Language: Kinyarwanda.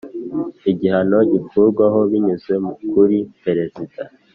igihano gikurwaho binyuze kuri peresida